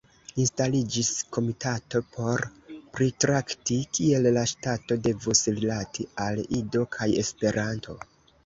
Instaliĝis komitato por pritrakti, kiel la ŝtato devus rilati al Ido kaj Esperanto.